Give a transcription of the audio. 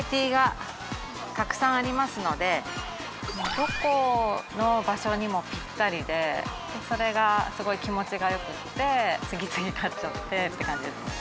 どこの場所にもピッタリでそれがすごい気持ちがよくて次々買っちゃってって感じです。